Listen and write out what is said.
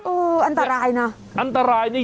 เอ้ออันตรายนะ